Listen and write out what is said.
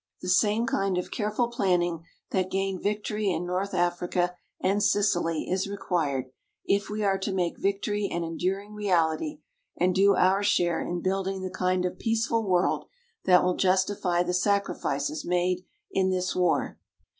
The same kind of careful planning that gained victory in North Africa and Sicily is required, if we are to make victory an enduring reality and do our share in building the kind of peaceful world that will justify the sacrifices made in this war.